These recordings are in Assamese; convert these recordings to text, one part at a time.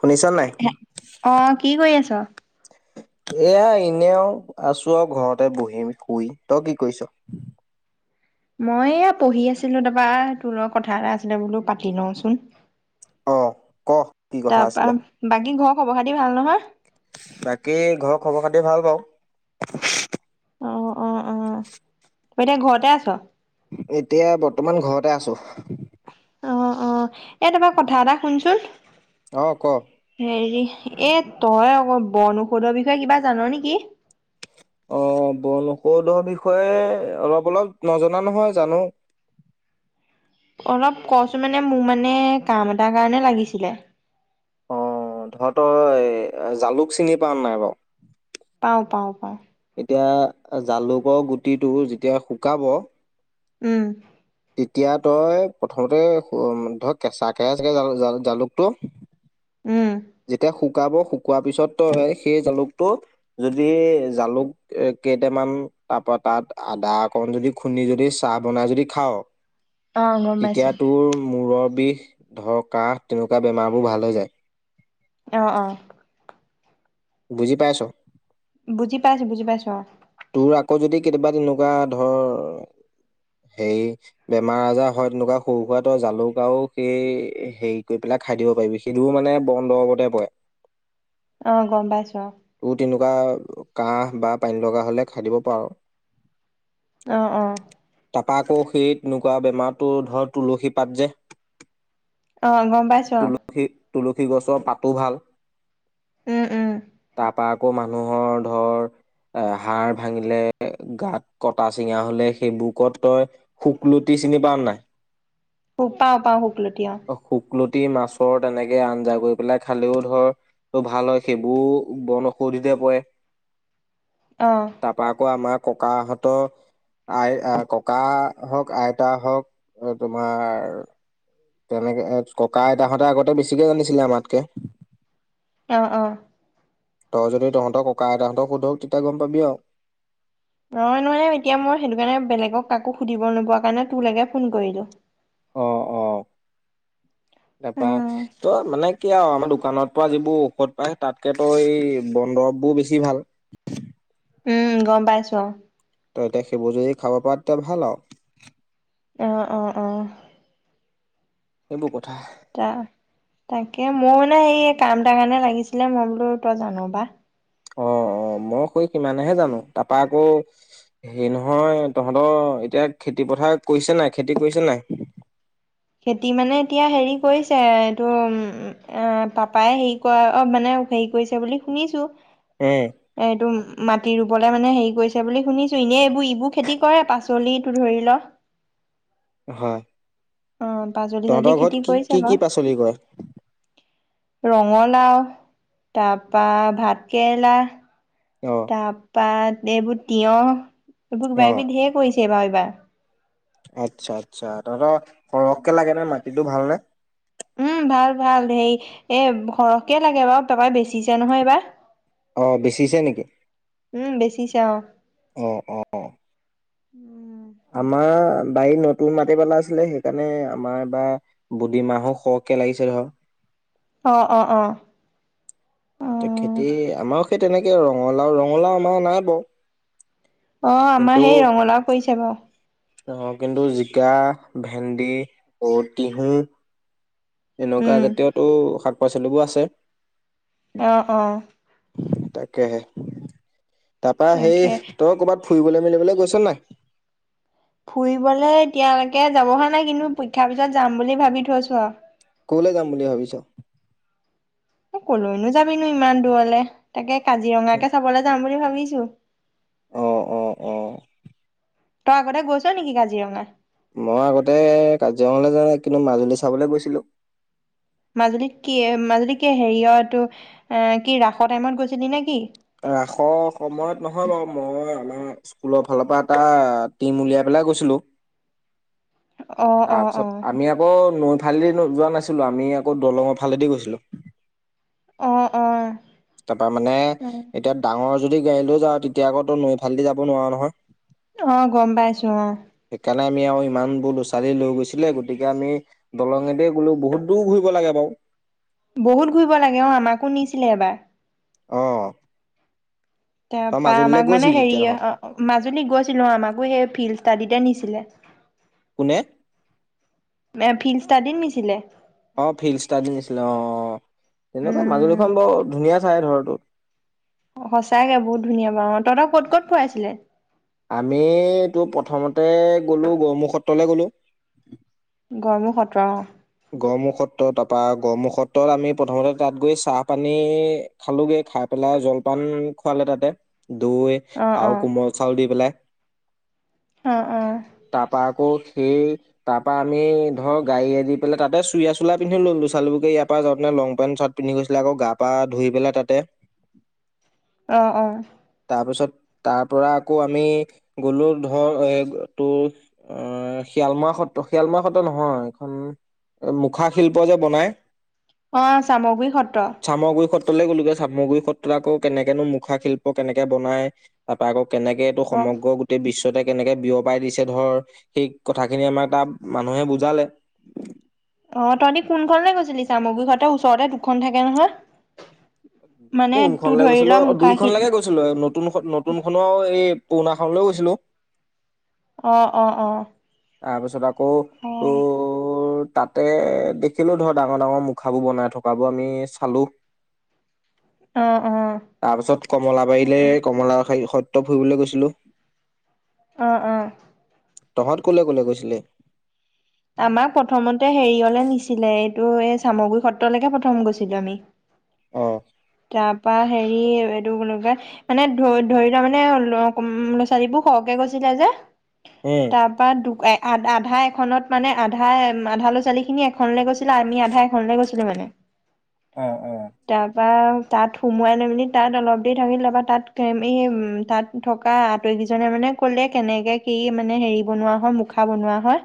শুনিছ নাই? অ' কি কৰি আছ? এয়া এনে আও আছো আৰু ঘৰতে বহিম, শুই। তই কি কৰিছ? মই এয়া পঢ়ি আছিলোঁ। তোৰপৰা তোৰ লগত কথা এটা আছিলে, বোলো পাতি লওঁচোন। অহ ক কি কথা তাৰপা আছিলে? বাকী ঘৰৰ খবৰ খাতি ভাল নহয় বাকী ঘৰৰ খবৰ-খাতি ভাল বাৰু। [unintelligible] অ' অ' অ' এতিয়া ঘৰতে আছ? এতিয়া বৰ্তমান ঘৰতে আছোঁ। অ' অ' এ টাপা কথা এটা শুনচোন? অ' ক। হেৰি, এ তই আকৌ বনৌষধৰ বিষয়ে কিবা জান' নেকি? অ', বনৌষধৰ বিষয়ে অলপ-অলপ নজনা নহয়, জানোঁ। অলপ ক'চোন, মানে মোৰ মানে কাম এটাৰ কাৰণে লাগিছিলে। অ', ধৰা তই জালুক চিনি পাৱনে নাই বাৰু? পাওঁ পাওঁ পাওঁ। এতিয়া জালুকৰ গুটিটো যেতিয়া শুকাব। উম এতিয়া তই প্ৰথমতে সো- উম, ধৰ কেঁচাকে চাগে জালু- জালু- জালুকটো উম যেতিয়া হুক শুকাব, শুকোৱাৰ পিছত তই সেই জালুকটো যদি জালুক কেইটামান, তাৰপৰা তাত আদা অকণ যদি খুন্দি যদি চাহ বনাই যদি খাৱ অ গম পাইছো তেতিয়া তোৰ মূৰৰ বিষ ধৰ, কাহ তেনেকুৱা বেমাৰবোৰ ভাল হৈ যায়। অ অ বুজি পাইছ? বুজি পাইছোঁ - বুজি পাইছোঁ, অ'। তোৰ আকৌ যদি কেতিয়াবা তেনেকুৱা ধৰ, হেৰি বেমাৰ-আজাৰ হয় তেনেকুৱা সৰু সুৰা, তই জালুকাও সেই হেৰি কৰি পেলাই খাই দিব পাৰিবি। সেইটোও মানে বন দৰৱতে পৰে। অ', গম পাইছোঁ। কিবা কাহ বা পানীলগা খালে খাই দিব পাৰ। অ' - অ'। তাৰপা আকৌ সেই তেনেকুৱা বেমাৰটো ধৰ তুলসী পাত যে! অ' গম পাইছো অ'। তুলসী তুলসী গছৰ পাতো ভাল। উম উম। তাৰ আকৌ মানুহৰ ধৰ, অ' হাড় ভাঙিলে, গাত কটা-চিঙা হ'লে সেইবোৰকত তই শুকলুতি চিনি পাও নাই? হো পাওঁ পাওঁ শুকলতি অ' তি মাছৰ তেনেকে আঞ্জা কৰি পেলাই খালেও ধৰ তো ভাল হয়। সেইবোৰ বন ঔষধিতে পৰে। অ তাৰপৰা আকৌ আমাক ককাহঁতৰ আই- আ-ককা হওক আইতা হওক তোমাৰ, তেনেকে ককা-আইতাহঁতে আগতে বেছিকে জানিছিলে আমাতকে। অ' অ'। তই যদি তহঁতৰ ককা-আইতাহঁতক সোধ, তেতিয়া গম গম পাবি আও নহয় - নহয়, এতিয়া মই সেইটো কাৰণে বেলেগক কাকো সুধিব নোপোৱা কাৰণে তোৰ লৈকে ফোন কৰিলোঁ। অ' - অ'। তাৰপৰা উম তো মানে কি আৰু, আমাৰ দোকানৰ পৰা যিবোৰ ঔষধ পায়, তাতকে তো এই বন দৰৱবোৰ বেছি ভাল। উম, গম পাইছোঁ অ'। তই তে সেইবোৰ যদি খাব পাৰ তেতিয়া ভাল আও। অ-অ-অ। সেইবো কথা। তা তাকে মোৰ নে সেই কাম তাৰ কাৰণে লাগিছিলে মই বোলো তই জানো বা। অ- অ, মই শৈ সিমানেহে জানো তাৰপা আকৌ সে নহয় তহঁতৰ এতিয়া খেতি পথাৰ কৰিছে নাই খেতি কৰিছে নাই? খেতি মানে এতিয়া হেৰি কৰিছে। এইটো উ, পাপাই হেৰি কৰা অ মানে হেৰি কৰিছে বুলি শুনিছো। উম এইটু। মাটি ৰুবলৈ মানে হেৰি কৰিছে বুলি শুনিছো। এনেই ইবোৰ ইবোৰ খেতি কৰে পাচলিটো ধৰি ল। হয়। অ', পাচলি চাচলি তহঁতৰ খেতি ঘৰত কৰিছে বাৰু কি-কি-কি পাচলি হয়? ৰঙালাও তাৰপা ভাত কেৰেলা অ', তাৰপা এইবোৰ তিঁয়হ। এইবোৰ কিবা অ'। কিবি ধেৰ কৰিছে। এইবাৰ এইবাৰ। আচ্ছা আচ্ছা তহতৰ সৰহকে লাগে নে নাই? কিন্তু ভালনে? উম ভাল- ভাল। হেৰি এ সৰহকে লাগে বাৰু পাপাই বেছিছে নহয় এইবাৰ। অহ বেচিছে নেকি? উম বেচিছে অ অ অ উমম। আমাৰ বাৰীত নতুন মাটি পেলাইছিলে সেইকাৰণে আমাৰ বা বুদি মাহো সৰহকে লাগিছে ধৰ। অ- অ- অ- অ', খেতি আমাৰো সেই তেনেকে ৰঙালাও ৰঙালাও আমাৰ নাই বাৰু অ আমাৰ কিন্তু সেই ৰঙালাও কৰিছে বাৰু। অ কিন্তু জিকা, ভেন্দি অ টিহু এনেকুৱা উম। জাতীয়টো শা পাচলিবোৰ আছে অঁ অঁ। কে হে। তাৰপা সেই তই কবাত ফুৰিবলৈ মেলিবলৈ গৈছ নে নাই? ফুৰিবলে এতিয়ালৈকে যাব হোৱা নাই কিন্তু, পৰীক্ষাৰ পিছত যাম বুলি ভাবি থৈছো আৰু। কলৈ যাম বুলি ভাবিছ? এ কলৈনো যাবিনো ইমান দূৰলে, তাকে। কাজিৰঙাকে চাবলৈ যাম বুলি ভাবিছ [inaudible] অ' অ' অ'। তই আগতে গৈছ নেকি কাজিৰঙা? মই আগতে কাজিৰঙালৈ যোৱা নাই কিন্তু মাজুলী চাবলৈ গৈছিলো। মাজুলীত কি- মাজুলীত কি হেৰি অ' ইটো এ- কি ৰাসৰ টাইমত গৈছিলি নেকি? ৰাসৰ সময়ত নহয় বাৰু মই আমাৰ স্কুলৰ ফালৰ পৰা এটা টিম উলিয়াই পেলাই গৈছিলোঁ‌। অ অ অ তাৰপিছত আমি আকৌ নৈ ফালেদি যোৱা নাছিলোঁ আমি আকৌ দলঙৰ ফালেদি গৈছিলোঁ। অ' - অ'। তাৰ পৰা মানে এতিয়া ডাঙৰ যদি গাড়ী লৈ যাওঁ, তেতিয়া আকৌ তই নৈ ফালেদি যাব নোৱাৰ নহয়। অ' গম পাইছোঁ অ'। সেইকাৰণে আমি আৰু ইমান বোৰ লৈ গৈছিলে, গতিকে আমি দলঙেতে গ'লো বহুত দূৰ ঘূৰিব লাগে বাৰু। বহুত ঘূৰিব লাগে অ' আমাকো নিছিলে এবাৰ। অ'। তাৰ তই পা মাজুলীলৈ আমাক মানে, গৈছিলি হেৰি তেতিয়া অ'- তহঁত অ' মাজুলী গৈছিলোঁ। আমাকো সেই ফিল্ড তাডিতে নিছিলে। কোনে? নে ফিল্ড ষ্টাডিত নিছিলে? অ' ফিল্ড ষ্টাডিত নিছিলে অ'- অ'। তেনেকুৱাই উম মাজুলীখন বৰ ধুনীয়া ঠাই, ধৰ [inaudible] সঁচাকে বহুত ধুনীয়া বাৰু অ' তহঁতক ক'ত ক'ত ফুৰাইছিলে? আমিতো প্ৰথমতে গ'লো গড়মূৰ সত্ৰলে গ'লো। গড়মূৰ সত্ৰ অ'। গড়মুখ সত্ৰ, তাৰ পৰা গড়মুখ সত্ৰত আমি প্ৰথমতে তাত গৈ চাহ-পানী খালোগে, খাই পেলাই জলপান খুৱালে তাতে। দৈ অ', আৰু অ', কোমল চাউল দি পেলাই অ' - অ'। তাৰপা আকৌ সেই তাৰ পৰা আমি ধৰক গাড়ীয়েদি [unintelligible] তাতে চুৰিয়া চোলা পিন্ধি ল'লো। ইয়াৰ পৰা যাওঁতে লং পেন্ট চাৰ্ট পিন্ধি গৈছিলে। আকৌ গা-পা ধুই পেলাই তাতে। অ' - অ' তাৰপিছত তাৰ পৰা আকৌ আমি গলো ধৰ এ তোৰ শিয়ালমৰা সত্ৰ, শিয়ালমৰা সত্ৰ নহয় এইখন মুখা শিল্প যে বনাই। অ' চামগুৰি সত্ৰ। গলোগে চামগুৰি সত্ৰত আকৌ কেনেকেনো মুখা শিল্প আকৌ কেনেকে বনাই তাৰ পা আকৌ কেনেকে এইটো অ', সমগ্ৰ গোটেই বিশ্ব কেনেকে বিয়পাই দিছে ধৰ সেই কথাখিনি আমাৰ তাৰ মানুহে বুজালে। অ' তহঁতি কোনখনলৈ গৈছিলি? চামগুৰি ঘাটৰ ওচৰতে দুখন থাকে নহয়? মানে তোৰ কোনখনলৈ ধৰি ল গৈছিলোঁ? অ' মুখাশিল দুইখনলৈকে গৈছিলোঁ। নতুনখ- নতুনখনো এই পুৰণাখন লৈ গৈছিলোঁ। অ' - অ' - অ'। তাৰপিছত আ অ' তাতে দেখিলো ধৰ ডাঙৰ ডাঙৰ মুখাবোৰ বনাই থকাবোৰ আমি চালো। অ', অ', তাৰ পিছত কমলা বাৰিলে কমলা হত ত' ফুৰিবলৈ গৈছিলো। অ' অ' তহঁত কলৈ কলে গৈছিলি? আমাক প্ৰথমতে হেৰিয়লে নিছিলে ইয় এই চামগুৰি সত্ৰলৈকে প্ৰথম গৈছিলো আমি। উম। তাপ হেৰি এইটোলা মানে ধ ধৰি লোৱা মানে ল'ৰা ছোৱালীবোৰ সৰহকে গৈছিলে যে অ', তাৰপা দুক-এ আ-আধা এখনত মানে আধা আধা ল'ৰা ছোৱালী খিনি এখনলে গৈছিল আমি আধাই [unintelligible] নে গৈছিলো মানে, অ', তাৰপা তাত সুমোৱাই লৈ মেলি তাত অলপ দেৰি থাকিলে বা তাত এই তাত থকা আতৰিকিজনে মানে কলে কেনেকে কি মানে হেৰি বনোৱা হয় মুখা বনোৱা হয়।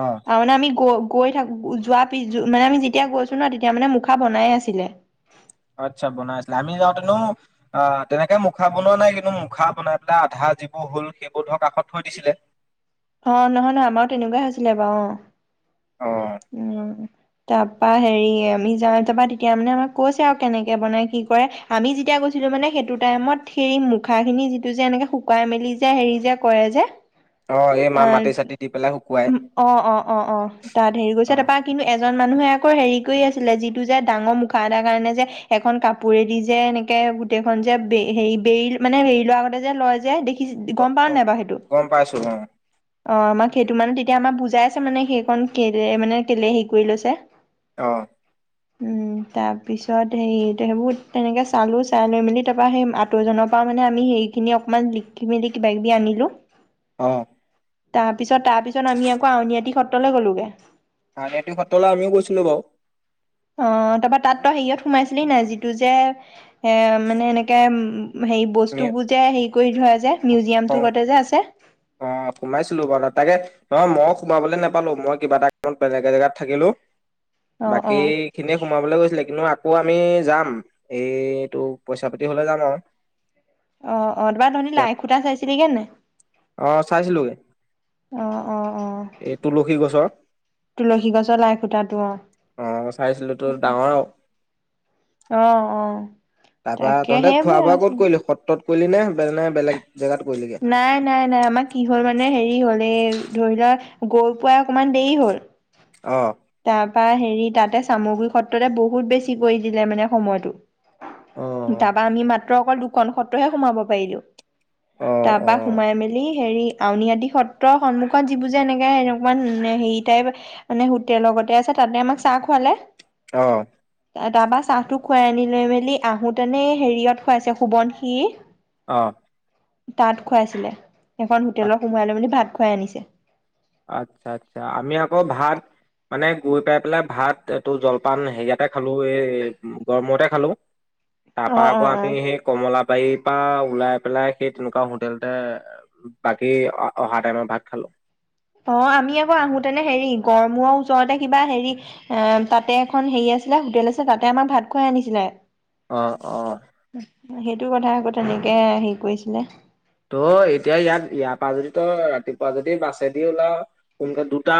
অ', ত মানে আমি গ গৈ থাকো যোৱা পিছ মানে আমি যেতিয়া গৈছো ন তেতিয়া মানে মুখা বনাই আছিলে। আচ্ছা বনাই আছিলে আমি যাওঁতেনো আহ তেনেকে মুখা বনোৱা নাই, কিন্তু মুখা বনাই পেলাই আধা যিবোৰ হল সেইবোৰ ধৰক কাষত থৈ দিছিলে। অ' নহয়, নহয় আমাৰো তেনেকুৱাই হৈছিলে বাৰু অ'। অ', উম তাৰপা হেৰি আমি যাওঁ, তাপা তেতিয়া মানে আমাক কৈছে আৰু কেনেকে বনাই কি কৰে? আমি যেতিয়া গৈছিলো মানে সেইটো টাইমত সেই মুখাখিনি যিটো যে এনেকে শুকাই মেলি যে হেৰি যে কৰে যে! অ', এই মা মাটি চাটি দি পেলাই শুকুৱাই অ', অ', অ', অ' তাত গৈছে অ', তাৰপা কিন্তু এজন এজন মানুহে আকৌ হেৰি কৰি আছিলে যিটো যে ডাঙৰ মুখা এটা কাৰণে যে এখন কাপোৰেদি যে এনেকে গোটেইখনযে হে বেৰি মানে বেৰি লোৱাৰ আগতে যে লয় যে গম পাও অ'। নাই বা সেইতো গম পাইছো অ', সেইটো মানে তেতিয়া আমাক বুজাই আছে মানে সেইকণ কেলে মানে কেলে হে কৰি লৈছে? অ' উ তাৰ পিছত হেৰি সেইবোৰ তেনেকে চালো চাই লৈ মেলি তাৰ পৰাা সেই আঁতৰজনৰ পৰা মানে আমি সেইখিনি অকমান লিখি মেলি কিবা কিবি আনিলো অ' তাৰপিছত, তাৰপিছত আমি আকৌ আউনীআটী সত্ৰলৈ গ'লোগে। [unintelligible] আ ন সত্ৰলে আমিও গৈছিলো বাৰু অ তাৰপৰা তাত তো হেৰিয়ত সোমাইছিলি নাই যিটো যে এ মানে এনেকে উ হেৰি আমি বস্তুবোৰ যে হেৰি কৰি ধোৱে যে, শং মিউজিয়ামটো গতে যে আছে অ সোমাইছিলো বাৰু তাকে নহ মই সোমাবলৈ নাপালো মই কিবা এটা কামত বেলেগে জেগাত থাকিলো অ অ বাকীখিনিয়ে সোমাবলৈ গৈছিলে কিন্তু আকৌ আমি যাম এইটো পইচা পাতি হলে যাম আৰু। অ অ [unintelligible] এতিয়া লাই খুটা চাইছে। তেনেগে নে? অ চাইছিলোগে অ অ অ এই তুলসী গছৰ তুলসী গছৰ লাই সূতাটো অ, অ চাইছিলো তো ডাঙৰ আৰু অ অ। তাৰ পৰা তাকে তহতে খোৱা সেইবোৰে বোৱা আৰু ক'ত কৰিলি? সত্ৰ ত কৰিলি নে [unintelligible] বেলেগ জেগাত কৰিলিগে নাই নাই নাই আমাৰ কি হ'ল মানে হেৰি হ'ল। এ ধৰি লোৱা গৈ পোৱা অকণমান দেৰি হ'ল। অ। তাৰ হেৰি তাতে চামগুৰি সত্ৰতে বহুত বেছি কৰি দিলে মানে সময়তটো। অ তাবা আমি মাত তোৰ অকল দুখন সত্ৰহে সোমাব পাৰিলো। অ অ তাৰপা সোমাই মেলি হেৰি। আউনীআদি সত্ৰৰ সন্মুখত যিবোৰ যে এনেকে এনেকা হেৰি টাইপ মানে হোটেল লগতে আছে, তাতে আমাক চাহ খুৱালে। অ। তাৰাবা চাহটো খুৱাই আনি লৈ মেলি আহোঁতেনে হেৰিয়ত খুৱাইছে সোৱণশিৰি অ'। তাত খুৱাইছিলে। এখন হোটেলত সোমোৱাই লৈ পিনে ভাত খুৱাই আনিছে। আচ্ছা, আচ্ছা আমি আকৌ ভাত মানে, গৈ পাই পেলাই ভাত তোৰ জলপান হেৰিয়াতে খালো এই গড়মূৰতে খালো। তাৰ অ পৰা অ আকৌ অ আমি সেই কমলা বাৰীৰ পৰা ওলাই পেলাই সেই তেনেকুৱা হোটেলতে বাকী অহা টাইমৰ ভাগ খালো। অ আমি আকৌ আহোতেনে হেৰি গড়মূৰ ওচৰতে কিবা হেৰি এ তাতে এখন হেৰি আছিলে হোটেল আছিল তাতে আমাৰ ভাত খুৱাই আনিছিলে। অ, অ। সেইটো কথা আকৌ তেনেকে হেৰি কৰিছিলে। ত' এতিয়া ইয়াত ইয়াৰ পৰা যদি তই ৰাতিপুৱা যদি বাছেদি ওলাও সোনকালে দুটা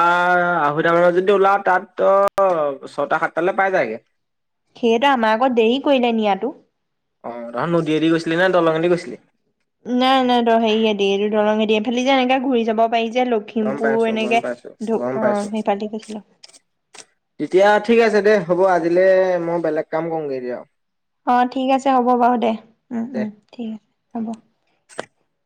আঢ়ৈটা মানত যদি ওলাও তাত ত ছটা সাতটালৈ পাই যায়গে। সেইটোৱে আমাৰ আকৌ দেৰি কৰিলে নিয়াতো। অ, তহত নদীয়েদি গৈছিলি নে দলং এদি গৈছিলি? নাই, নাই তোৰ হেৰিয়ে দিয়ে। এইটো দৰঙে দিয়ে। এইফালে দি যে এনেকৈ ঘূৰি যাব পাৰি যে গম লখিমপুৰ পাইছো গম এনেকে পাইছো ঢু গম অ পাইছো সেইফালে দি গৈছিলোঁ। তেতিয়া ঠিক আছে দে হ'ব, আজিলে মই বেলেগ কাম কৰোগৈ এতিয়া অ ঠিক আছে হ'ব বাৰু দে। উম দে উম ঠিক আছে। হব। [unintelligible]